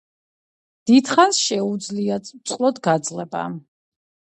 დიდხანს შეუძლია უწყლოდ გაძლება.